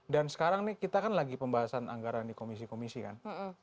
dan sekarang nih kita kan lagi pembahasan anggaran di komisi komisi kan